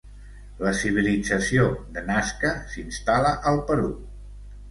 La civilització de Nazca s'instal·la al Perú.